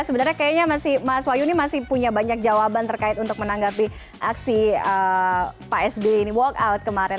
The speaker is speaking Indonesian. sebenarnya kayaknya mas wahyu ini masih punya banyak jawaban terkait untuk menanggapi aksi pak sby ini walk out kemarin